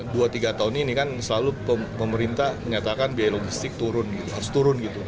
dua tiga tahun ini kan selalu pemerintah menyatakan biaya logistik turun gitu harus turun gitu